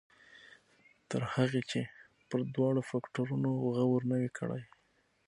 تر هغې چې پر دواړو فکټورنو غور نه وي کړی.